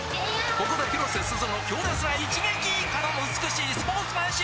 ここで広瀬すずの強烈な一撃！からの美しいスポーツマンシップ！